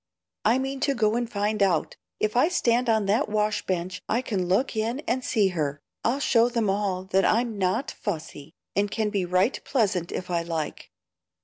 "I mean to go and find out. If I stand on that wash bench I can look in and see her work. I'll show them all that I'm NOT 'fussy,' and can be 'right pleasant' if I like."